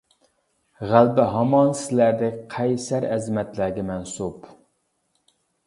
غەلىبە ھامان سىلەردەك قەيسەر ئەزىمەتلەرگە مەنسۇپ!